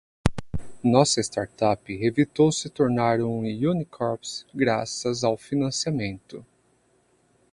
Nossa startup evitou se tornar um 'Unicorpse' graças ao financiamento.